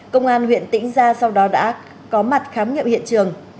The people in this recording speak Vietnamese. công an huyện tĩnh gia sau đó đã có mặt khám nghiệm hiện trường